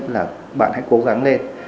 là bạn hãy cố gắng lên